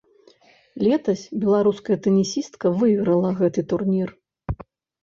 Летась беларуская тэнісістка выйграла гэты турнір.